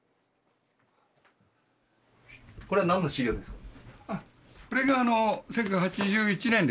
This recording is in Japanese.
これは何の資料ですか？